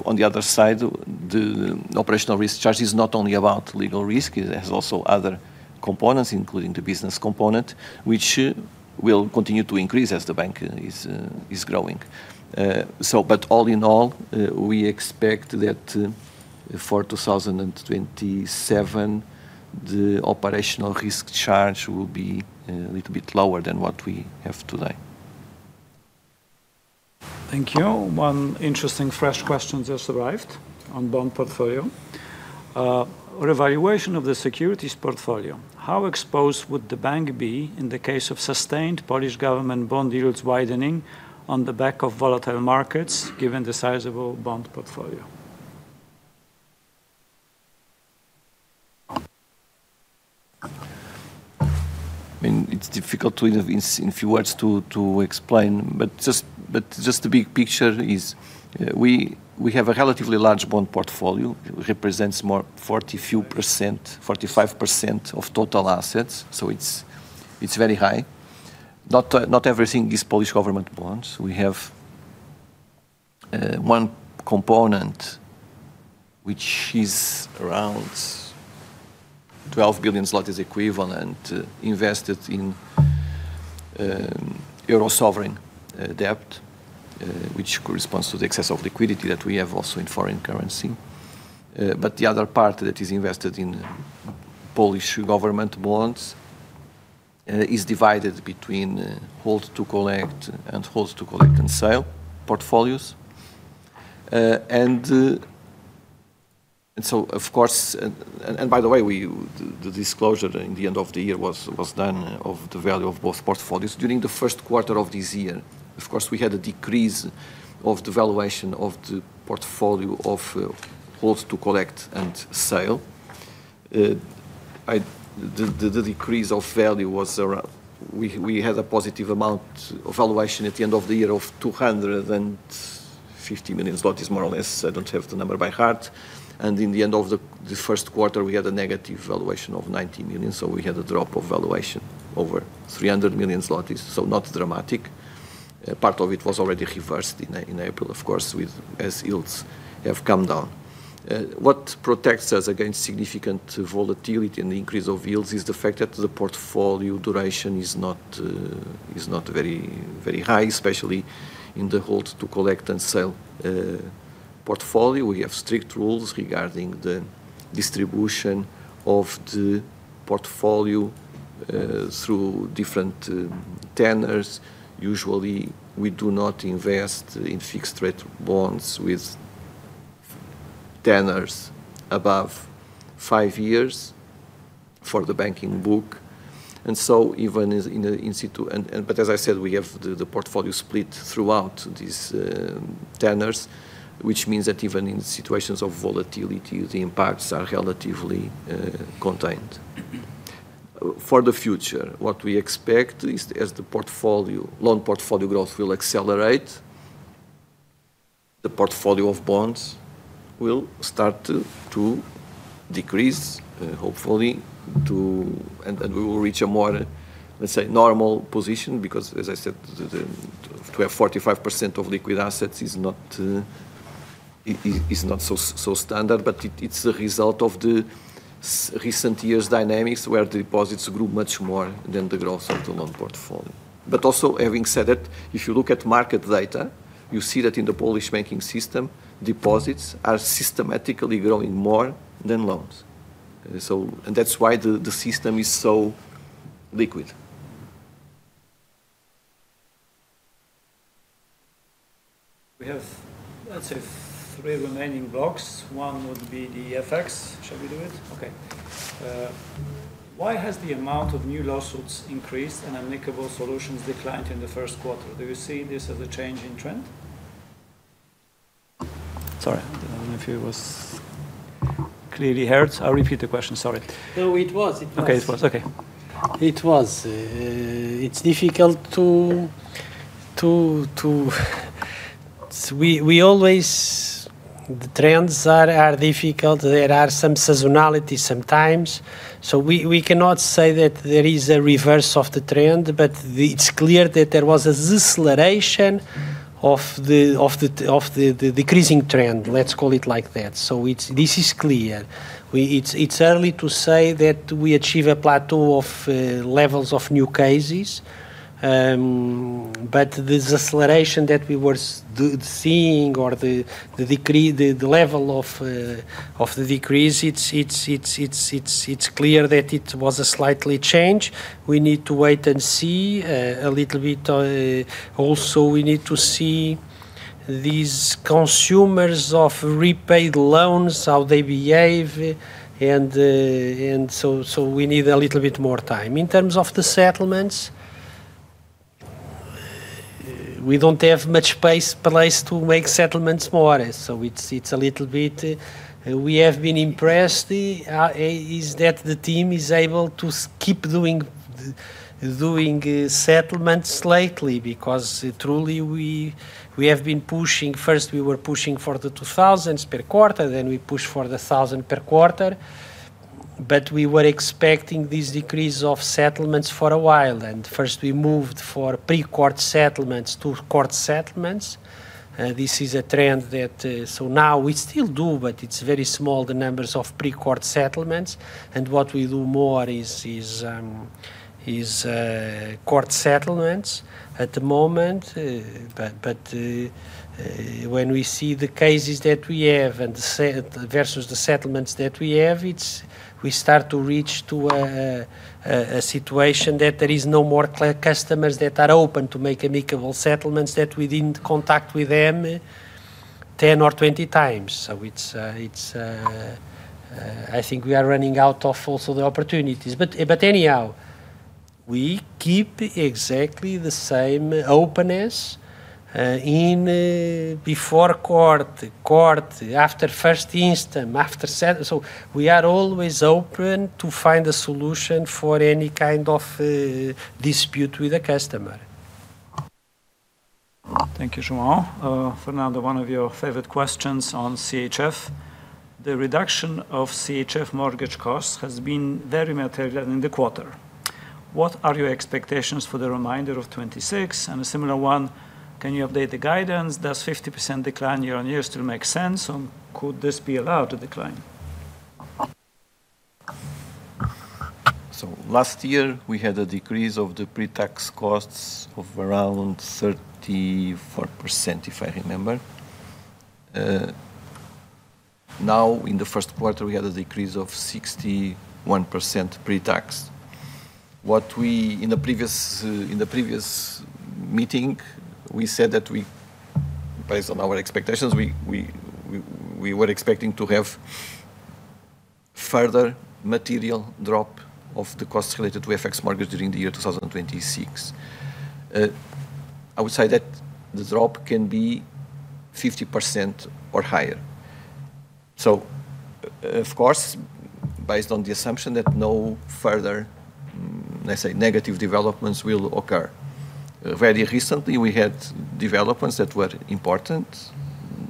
On the other side, the operational risk charge is not only about legal risk. It has also other components, including the business component, which will continue to increase as the bank is growing. All in all, we expect that for 2027, the operational risk charge will be a little bit lower than what we have today. Thank you. One interesting fresh question just arrived on bond portfolio. Revaluation of the securities portfolio, how exposed would the bank be in the case of sustained Polish government bond yields widening on the back of volatile markets given the sizable bond portfolio? I mean, it's difficult to in few words to explain, but just the big picture is, we have a relatively large bond portfolio. It represents more 44%, 45% of total assets, it's very high. Not everything is Polish government bonds. We have one component which is around 12 billion zlotys equivalent invested in Euro sovereign debt, which corresponds to the excess of liquidity that we have also in foreign currency. The other part that is invested in Polish government bonds is divided between Hold to Collect and Sell portfolios. Of course, by the way, the disclosure in the end of the year was done of the value of both portfolios. During the first quarter of this year, of course, we had a decrease of the valuation of the portfolio of Hold to Collect and Sell. We had a positive amount valuation at the end of the year of 250 million zlotys, more or less. I don't have the number by heart. In the end of the first quarter, we had a negative valuation of 90 million, so we had a drop of valuation over 300 million zlotys, so not dramatic. Part of it was already reversed in April, of course, with, as yields have come down. What protects us against significant volatility and the increase of yields is the fact that the portfolio duration is not very, very high, especially in the Hold to Collect and Sell portfolio. We have strict rules regarding the distribution of the portfolio, through different tenors. Usually, we do not invest in fixed rate bonds with tenors above five years for the banking book. As I said, we have the portfolio split throughout these tenors, which means that even in situations of volatility, the impacts are relatively contained. For the future, what we expect is as the portfolio, loan portfolio growth will accelerate, the portfolio of bonds will start to decrease, hopefully we will reach a more, let's say, normal position because, as I said, to have 45% of liquid assets is not so standard. It's a result of the recent years' dynamics where deposits grew much more than the growth of the loan portfolio. Also, having said that, if you look at market data, you see that in the Polish banking system, deposits are systematically growing more than loans. That's why the system is so liquid. We have, let's say, three remaining blocks. One would be the FX. Shall we do it? Okay. Why has the amount of new lawsuits increased and amicable solutions declined in the first quarter? Do you see this as a change in trend? Sorry, I don't know if it was clearly heard. I'll repeat the question, sorry. No, it was. Okay, it was. Okay. It was. It's difficult. The trends are difficult. There are some seasonality sometimes. We cannot say that there is a reverse of the trend. It's clear that there was a deceleration of the decreasing trend. Let's call it like that. This is clear. It's early to say that we achieve a plateau of levels of new cases, but the deceleration that we were seeing or the level of the decrease, it's clear that it was a slightly change. We need to wait and see a little bit. Also, we need to see these consumers of repaid loans, how they behave and so we need a little bit more time. In terms of the settlements, we don't have much space, place to make settlements more, so it's a little bit. We have been impressed, is that the team is able to keep doing settlements lately because truly we have been pushing. First, we were pushing for the 2,000 per quarter, then we pushed for the 1,000 per quarter. We were expecting this decrease of settlements for a while, first we moved for pre-court settlements to court settlements. This is a trend that. Now we still do, but it's very small, the numbers of pre-court settlements. What we do more is court settlements at the moment. When we see the cases that we have versus the settlements that we have, it's. We start to reach to a situation that there is no more customers that are open to make amicable settlements that we didn't contact with them 10 or 20 times. It's, I think we are running out of also the opportunities. Anyhow, we keep exactly the same openness in before court, after first instance. We are always open to find a solution for any kind of dispute with a customer. Thank you, Joao. Fernando, one of your favorite questions on CHF. The reduction of CHF mortgage costs has been very material in the quarter. What are your expectations for the remainder of 2026? A similar one, can you update the guidance? Does 50% decline year-on-year still make sense, or could this be a lower decline? Last year we had a decrease of the pre-tax costs of around 34%, if I remember. Now, in the first quarter, we had a decrease of 61% pre-tax. What we, in the previous, in the previous meeting, we said that we, based on our expectations, we were expecting to have further material drop of the costs related to FX mortgage during the year 2026. I would say that the drop can be 50% or higher. Of course, based on the assumption that no further, let's say, negative developments will occur. Very recently, we had developments that were important,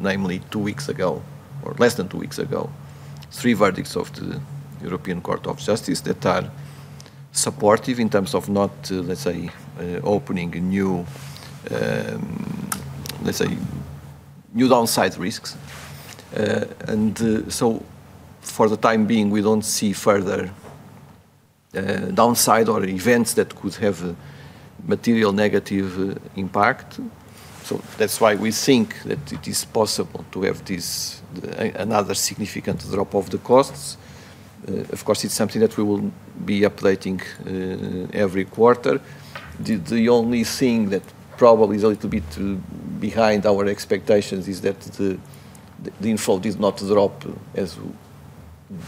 namely two weeks ago, or less than two weeks ago, three verdicts of the European Court of Justice that are supportive in terms of not, let's say, opening new, let's say, new downside risks. For the time being, we don't see further downside or events that could have a material negative impact. That's why we think that it is possible to have this another significant drop of the costs. It's something that we will be updating every quarter. The only thing that probably is a little bit behind our expectations is that the inflow did not drop.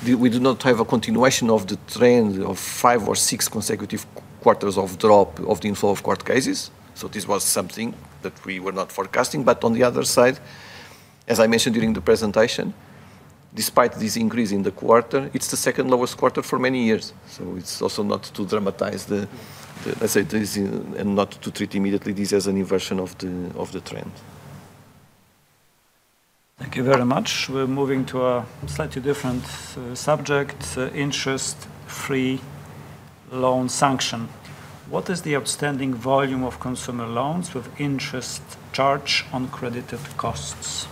We do not have a continuation of the trend of five or six consecutive quarters of drop of the inflow of court cases. This was something that we were not forecasting. On the other side, as I mentioned during the presentation, despite this increase in the quarter, it's the second lowest quarter for many years. It's also not to dramatize. Let's say this and not to treat immediately this as a new version of the trend. Thank you very much. We're moving to a slightly different subject, interest free loan sanction. What is the outstanding volume of consumer loans with interest charged on credited costs?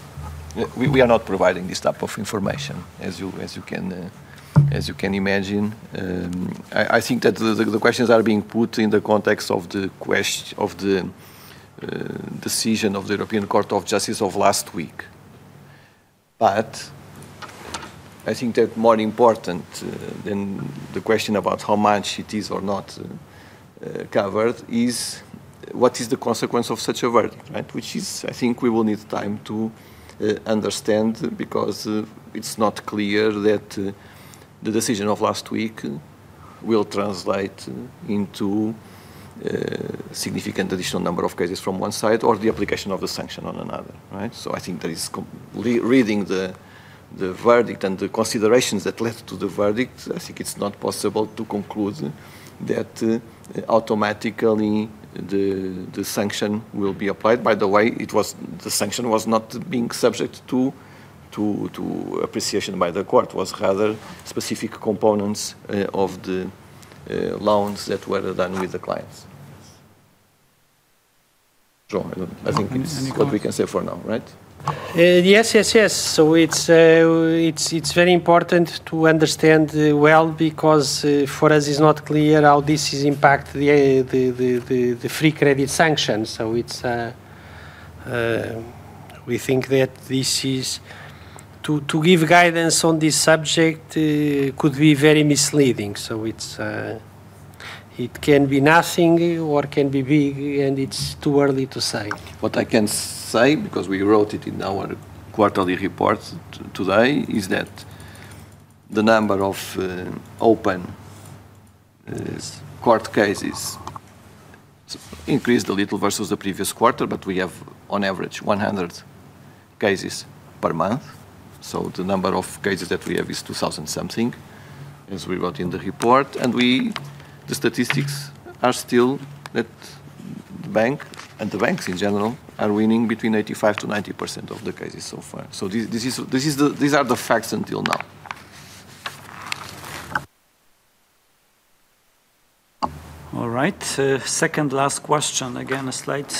We are not providing this type of information, as you can imagine. I think that the questions are being put in the context of the decision of the European Court of Justice of last week. I think that more important than the question about how much it is or not covered is what is the consequence of such a verdict, right? Which is, I think we will need time to understand because it's not clear that the decision of last week will translate into significant additional number of cases from one side or the application of the sanction on another, right? I think that is re-reading the verdict and the considerations that led to the verdict, I think it's not possible to conclude that automatically the sanction will be applied. By the way, the sanction was not being subject to appreciation by the court. It was rather specific components of the loans that were done with the clients. Yes. Joao, I think this is what we can say for now, right? Yes. Yes. Yes. It's very important to understand well because for us is not clear how this is impact the free credit sanction. We think that this is to give guidance on this subject could be very misleading. It can be nothing or it can be big, and it's too early to say. What I can say, because we wrote it in our quarterly report today, is that the number of open court cases increased a little versus the previous quarter, but we have on average 100 cases per month. The number of cases that we have is 2,000 something, as we wrote in the report. We, the statistics are still that the bank, and the banks in general, are winning between 85%-90% of the cases so far. These are the facts until now. All right. Second last question. Again, a slight,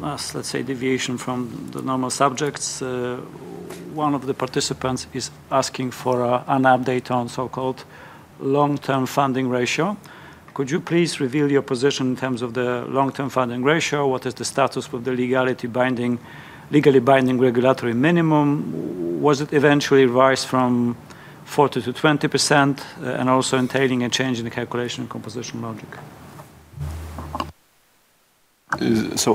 last, let's say, deviation from the normal subjects. One of the participants is asking for an update on so-called long-term funding ratio. Could you please reveal your position in terms of the long-term funding ratio? What is the status of the legally binding regulatory minimum? Was it eventually rise from 40% to 20%, and also entailing a change in the calculation and composition logic?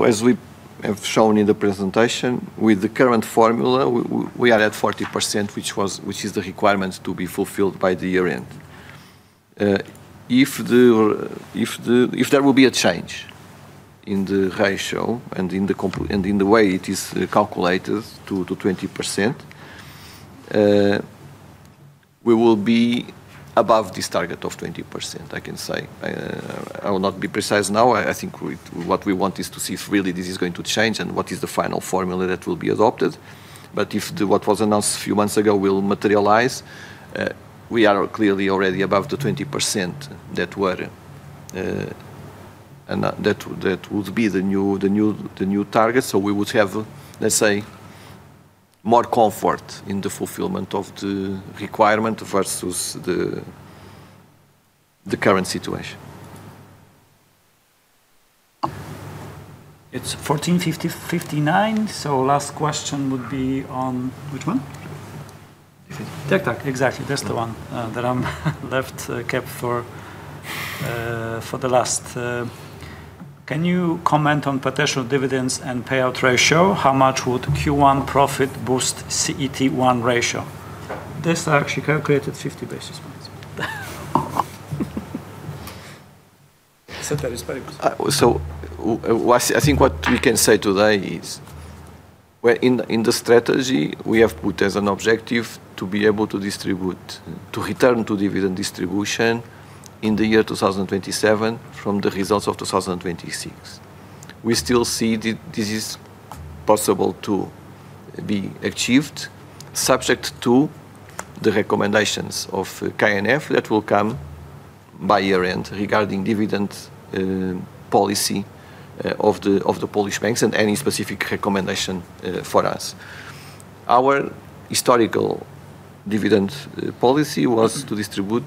As we have shown in the presentation, with the current formula we are at 40%, which is the requirement to be fulfilled by the year-end. If there will be a change in the ratio and in the way it is calculated to 20%, we will be above this target of 20%, I can say. I will not be precise now. I think what we want is to see if really this is going to change and what is the final formula that will be adopted. If what was announced a few months ago will materialize, we are clearly already above the 20% that were, that would be the new target. We would have, let's say, more comfort in the fulfillment of the requirement versus the current situation. It's 2:59 P.M., so last question would be on which one? Tech tag. Exactly. That's the one that I'm left kept for for the last. Can you comment on potential dividends and payout ratio? How much would Q1 profit boost CET1 ratio? This I actually calculated 50 basis points. That is very possible. I think what we can say today is where in the strategy we have put as an objective to be able to distribute, to return to dividend distribution in 2027 from the results of 2026. We still see this is possible to be achieved subject to the recommendations of KNF that will come by year-end regarding dividend policy of the Polish banks and any specific recommendation for us. Our historical dividend policy was to distribute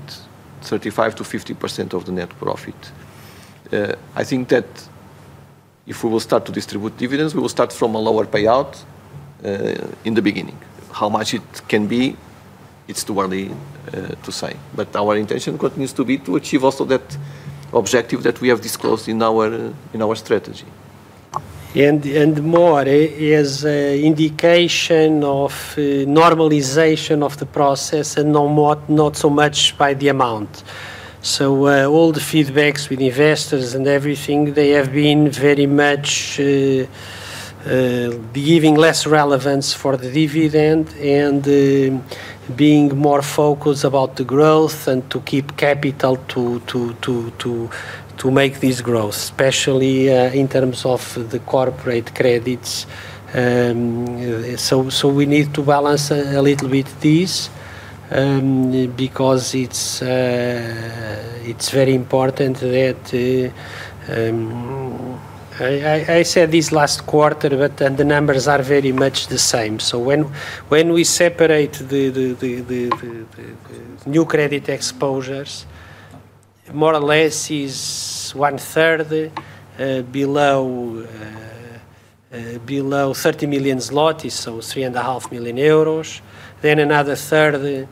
35%-50% of the net profit. I think that if we will start to distribute dividends, we will start from a lower payout in the beginning. How much it can be, it's too early to say. Our intention continues to be to achieve also that objective that we have disclosed in our strategy. More is a indication of normalization of the process and not so much by the amount. All the feedbacks with investors and everything, they have been very much giving less relevance for the dividend and being more focused about the growth and to keep capital to make this growth, especially in terms of the corporate credits. We need to balance a little bit this because it's very important that. I said this last quarter, the numbers are very much the same. When we separate the new credit exposures, more or less is 1/3 below 30 million zlotys, so 3.5 million euros. Another 1/3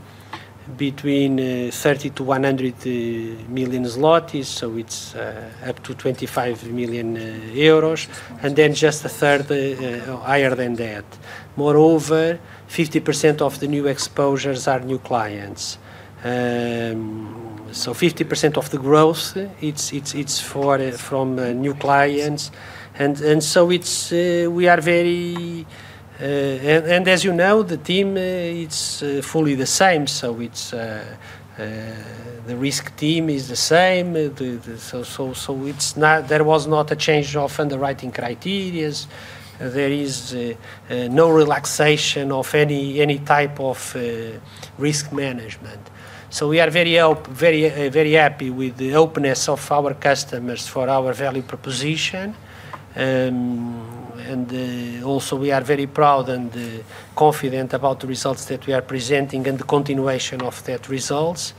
between 30 million-100 million zlotys, so it's up to 25 million euros. Moreover, 50% of the new exposures are new clients. 50% of the growth, it's for from new clients. As you know, the team, it's fully the same, so it's the risk team is the same. It's not, there was not a change of underwriting criteria. There is no relaxation of any type of risk management. We are very happy with the openness of our customers for our value proposition. Also we are very proud and confident about the results that we are presenting and the continuation of that results.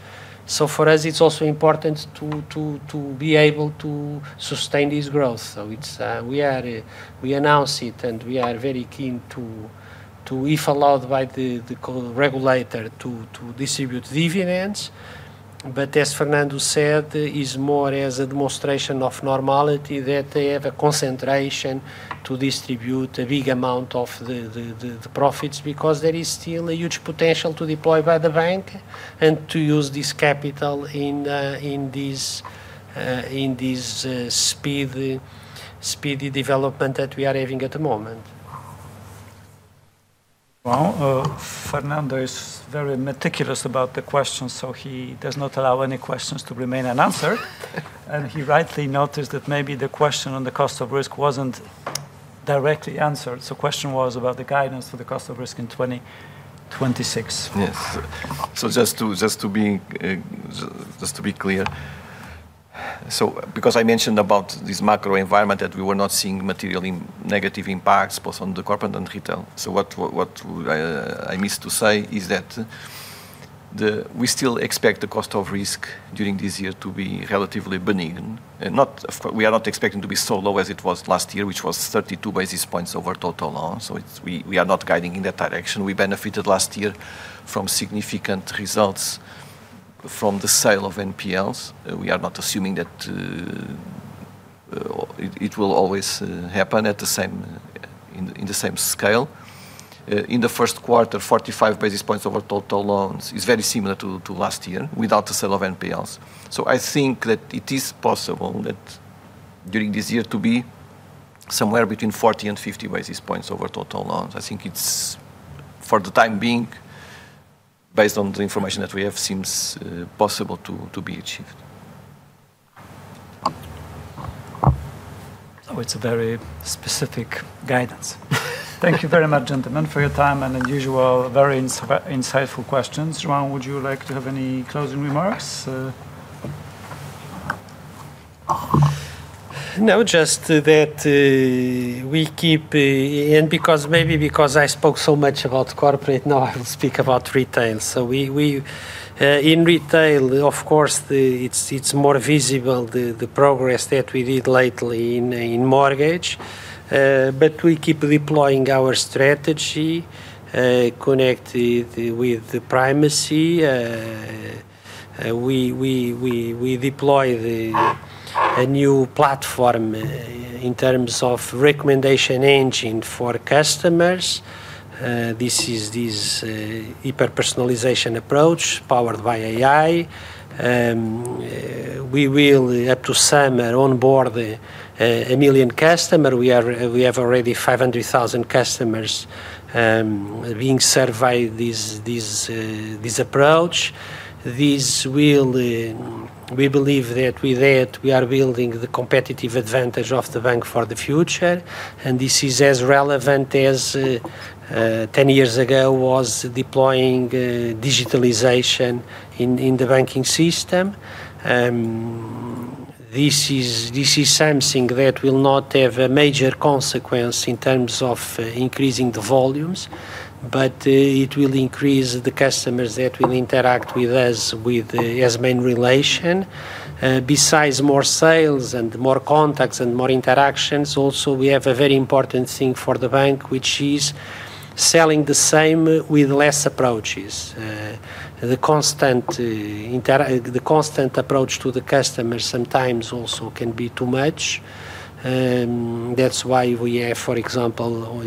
For us it's also important to be able to sustain this growth. It's we are we announce it, and we are very keen to, if allowed by the co-regulator to distribute dividends. As Fernando said, is more as a demonstration of normality that they have a concentration to distribute a big amount of the profits because there is still a huge potential to deploy by the bank and to use this capital in this speedy development that we are having at the moment. Well, Fernando is very meticulous about the questions, he does not allow any questions to remain unanswered. He rightly noticed that maybe the question on the cost of risk wasn't directly answered. Question was about the guidance for the cost of risk in 2026. Yes. Just to be clear. Because I mentioned about this macro environment that we were not seeing material in negative impacts both on the corporate and retail. What I missed to say is that we still expect the cost of risk during this year to be relatively benign. We are not expecting to be so low as it was last year, which was 32 basis points over total loans. It is, we are not guiding in that direction. We benefited last year from significant results from the sale of NPLs. We are not assuming that it will always happen at the same, in the same scale. In the first quarter, 45 basis points over total loans is very similar to last year without the sale of NPLs. I think that it is possible that during this year to be somewhere between 40 basis points and 50 basis points over total loans. I think it's, for the time being, based on the information that we have, seems possible to be achieved. Oh, it's a very specific guidance. Thank you very much, gentlemen, for your time and unusual, very insightful questions. Joao, would you like to have any closing remarks? Just that, we keep, and because, maybe because I spoke so much about corporate, now I will speak about retail. We, in retail, of course, it's more visible the progress that we did lately in mortgage. We keep deploying our strategy connected with the primacy. We deploy a new platform in terms of recommendation engine for customers. This is this hyper-personalization approach powered by AI. We will up to summer onboard a million customer. We have already 500,000 customers being surveyed this approach. This will, we believe that with it we are building the competitive advantage of the bank for the future. This is as relevant as 10 years ago was deploying digitalization in the banking system. This is something that will not have a major consequence in terms of increasing the volumes, but it will increase the customers that will interact with us with, as main relation. Besides more sales and more contacts and more interactions, we also have a very important thing for the bank, which is selling the same with less approaches. The constant approach to the customers sometimes also can be too much. That's why we have, for example,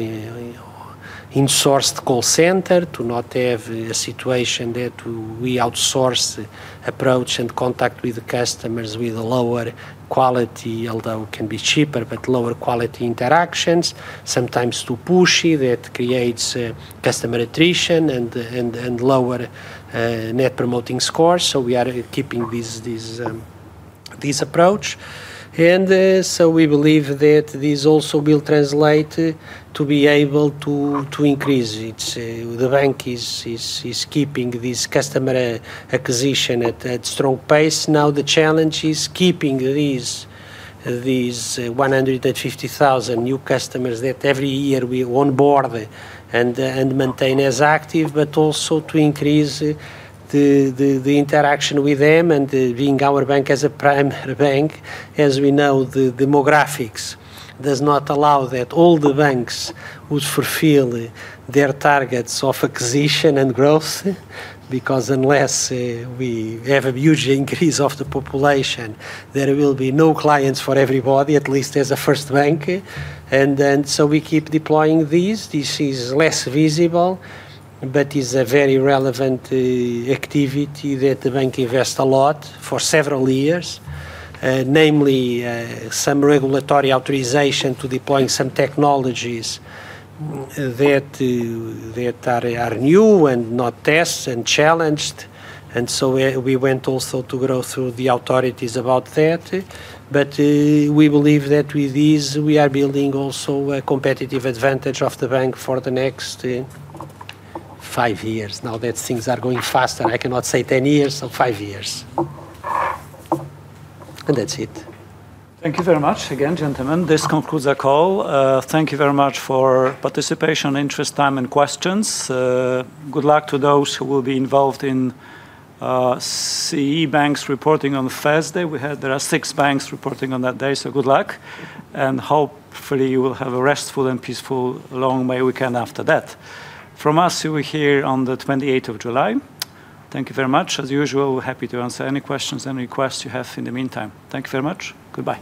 we insourced call center to not have a situation that we outsource approach and contact with the customers with a lower quality, although it can be cheaper, but lower quality interactions. Sometimes too pushy, that creates customer attrition and lower Net Promoting Scores. We are keeping this approach. We believe that this also will translate to be able to increase it. The bank is keeping this customer acquisition at a strong pace. Now, the challenge is keeping these 150,000 new customers that every year we onboard and maintain as active, but also to increase the interaction with them and being our bank as a primary bank. As we know, the demographics does not allow that all the banks would fulfill their targets of acquisition and growth because unless we have a huge increase of the population, there will be no clients for everybody, at least as a first bank. We keep deploying these. This is less visible, but is a very relevant activity that the bank invest a lot for several years, namely some regulatory authorization to deploying some technologies that are new and not tested and challenged. We went also to go through the authorities about that. We believe that with this we are building also a competitive advantage of the bank for the next five years. Now that things are going faster, I cannot say 10 years, or five years. That's it. Thank you very much again, gentlemen. This concludes our call. Thank you very much for participation, interest, time, and questions. Good luck to those who will be involved in CE banks reporting on Thursday. There are six banks reporting on that day, so good luck. Hopefully you will have a restful and peaceful long May weekend after that. From us, we're here on the 28th of July. Thank you very much. As usual, we're happy to answer any questions, any requests you have in the meantime. Thank you very much. Goodbye.